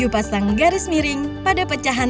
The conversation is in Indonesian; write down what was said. enam pasang garis miring pada pecahan rp dua